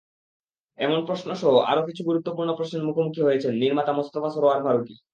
এমন প্রশ্নসহ আরও কিছু গুরুত্বপূর্ণ প্রশ্নের মুখোমুখি হয়েছেন নির্মাতা মোস্তফা সরয়ার ফারুকী।